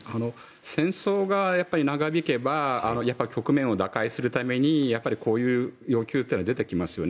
戦争が長引けば局面を打開するためにこういう要求というのは出てきますよね。